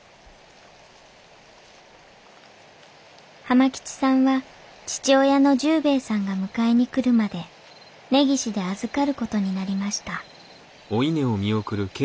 浜吉さんは父親の十兵衛さんが迎えにくるまで根岸で預かる事になりました